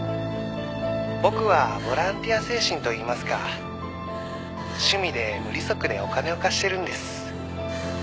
「僕はボランティア精神といいますか趣味で無利息でお金を貸してるんです」